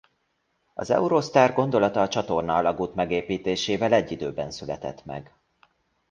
A Eurostar gondolata a Csatorna-alagút megépítésével egy időben született meg.